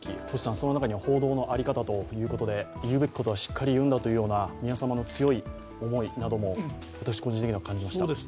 その中には報道の在り方ということで言うべきことはしっかり言うんだという宮様の強い思いも感じました。